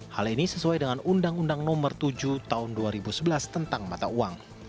hal ini sesuai dengan undang undang nomor tujuh tahun dua ribu sebelas tentang mata uang